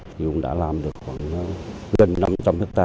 chúng tôi đã làm được gần năm trăm linh hectare